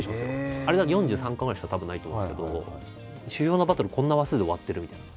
あれだって４３巻ぐらいしかたぶんないと思うんですけど主要なバトルこんな話数で終わってるみたいな。